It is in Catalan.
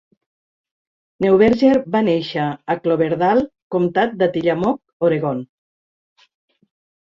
Neuberger va néixer a Cloverdale, comtat de Tillamook, Oregon.